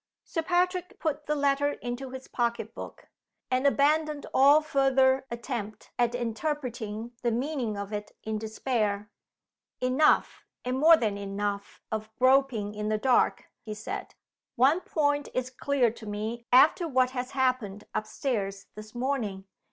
Sir Patrick put the letter into his pocket book, and abandoned all further attempt at interpreting the meaning of it in despair. "Enough, and more than enough, of groping in the dark," he said. "One point is clear to me after what has happened up stairs this morning.